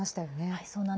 はい。